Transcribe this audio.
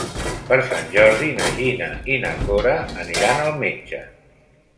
Per Sant Jordi na Gina i na Cora aniran al metge.